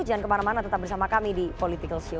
jangan kemana mana tetap bersama kami di politikalshow